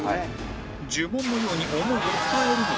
呪文のように思いを伝えるが